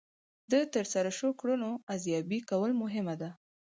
د ترسره شوو کړنو ارزیابي کول مهمه ده.